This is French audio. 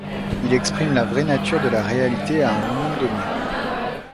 Il exprime la vraie nature de la réalité à un moment donné.